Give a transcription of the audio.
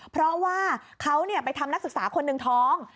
เพราะว่าเขาไปทำนักศึกษาคนหนึ่งท้อง